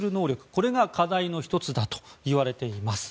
これが課題の１つだといわれています。